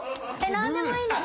何でもいいんですか？